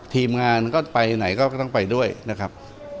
ทีมงานก็ไปไหนก็ต้องไปด้วยนะครับ